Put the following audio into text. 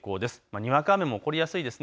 にわか雨も起こりやすいです。